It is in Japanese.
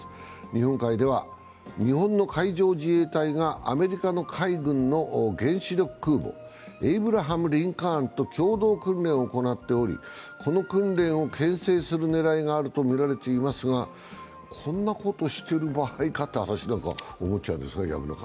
日本海では、日本の海上自衛隊がアメリカの海軍の原子力空母、「エイブラハム・リンカーン」と共同訓練を行っておりこの訓練を牽制する狙いがあるとみられていますが、こんなことしてる場合かって私なんか思っちゃうんですが。